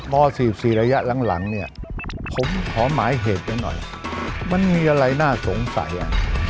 มอร์ทีป๕ของรัฐบาลชุดยีที่ออกมาเนี่ยดูอ่ะเนี่ยมันมีอะไรน่าสงสัยอ่ะ